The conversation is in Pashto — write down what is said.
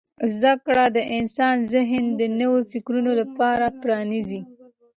زده کړه د انسان ذهن د نویو فکرونو لپاره پرانیزي.